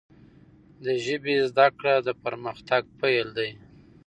د ژبي زده کړه، د پرمختګ پیل دی.